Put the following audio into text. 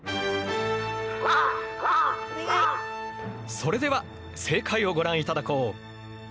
それでは正解をご覧いただこう。